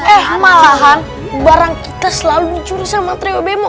eh malahan barang kita selalu dicurus sama triobemo